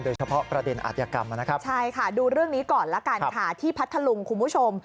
โดยเฉพาะประเด็นอาทิกรรมใช่ดูเรื่องนี้ก่อนแหละที่พัทธลุงคุณผู้ชม